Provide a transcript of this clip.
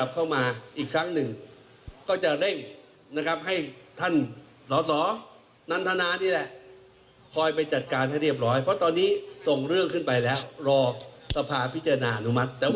เพราะฉะนั้นค่าตอบแทนค่าโปรดการณ์ของอสม